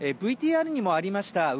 ＶＴＲにもありました